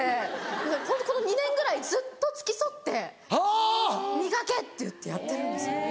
だからホントこの２年ぐらいずっと付き添って「磨け」って言ってやってるんですよ。